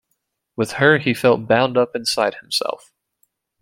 With her he felt bound up inside himself.